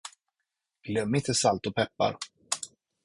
Glöm inte salt och peppar.